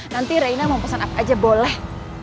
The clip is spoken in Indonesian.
nanti reina mau pesan apa aja boleh